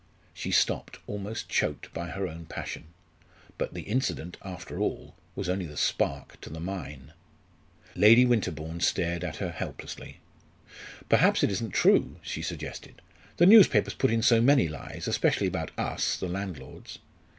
She stopped, almost choked by her own passion. But the incident, after all, was only the spark to the mine. Lady Winterbourne stared at her helplessly. "Perhaps it isn't true," she suggested. "The newspapers put in so many lies, especially about us the landlords.